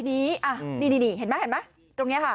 นี่เห็นไหมตรงนี้ค่ะ